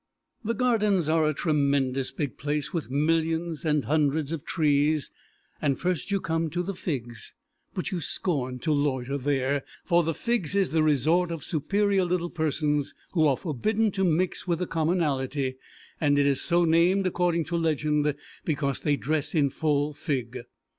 The Gardens are a tremendous big place, with millions and hundreds of trees, and first you come to the Figs, but you scorn to loiter there, for the Figs is the resort of superior little persons, who are forbidden to mix with the commonalty, and is so named, according to legend, because they dress in full fig.